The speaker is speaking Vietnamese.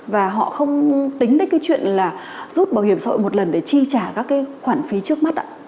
và họ không tính đến cái chuyện là rút bảo hiểm xã hội một lần để chi trả các cái khoản phí trước mắt ạ